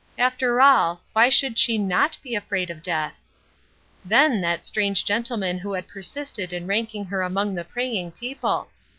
After all, why should she not be afraid of death? Then that strange gentleman who had persisted in ranking her among the praying people!